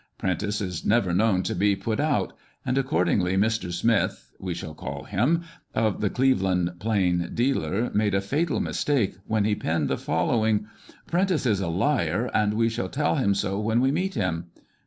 Prentice is never known to be put out; and accordingly Mr. Smith (we shall call him), of the Cleavland Plain Dealer, made a fatal mistake when he penned the following :" Prentice is a liar, and we shall tell him so when we meet him